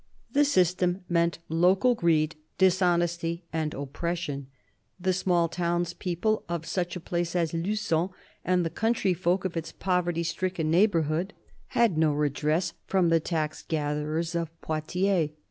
The system meant local greed, dishonesty and oppres sion ; the small townspeople of such a place as Lugon and the country folk of its poverty stricken neighbourhood had no redress from the tax gatherers of Poitiers.